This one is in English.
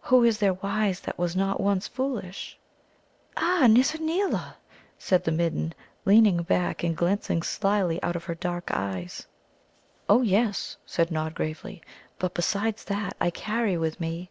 Who is there wise that was not once foolish?" "A Nizza neela!" said the Midden, leaning back and glancing slyly out of her dark eyes. "Oh yes," said Nod gravely; "but besides that I carry with me...."